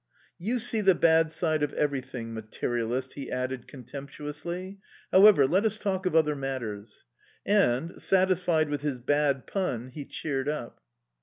"You see the bad side of everything... materialist," he added contemptuously. "However, let us talk of other matters." And, satisfied with his bad pun, he cheered up.